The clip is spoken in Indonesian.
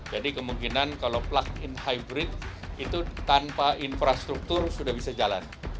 jadi kemungkinan kalau plug in hybrid itu tanpa infrastruktur sudah bisa jalan